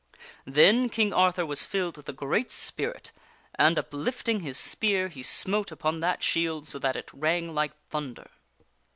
Then King Arthur was filled with a great spirit, and, uplifting his spear, he smote upon that shield so that it rang like thunder.